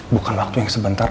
bukan waktu yang sebentar